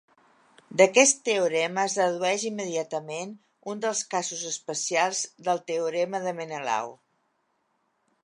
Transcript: D'aquest teorema, es dedueix immediatament un dels casos especials del teorema de Menelau.